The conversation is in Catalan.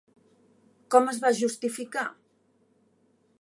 Com es va justificar?